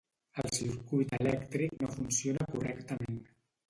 El circuit elèctric no funciona correctament.